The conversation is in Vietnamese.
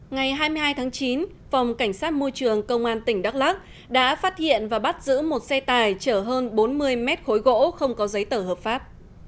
ngày hai mươi hai tháng chín phòng cảnh sát môi trường công an tỉnh đắk lắc đã phát hiện và bắt giữ một xe tải chở hơn bốn mươi mét khối gỗ không có giấy tờ hợp pháp